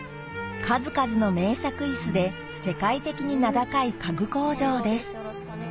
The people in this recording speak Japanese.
数々の名作イスで世界的に名高い家具工場です